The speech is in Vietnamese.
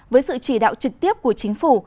với sự chỉ đạo trực tiếp của chính phủ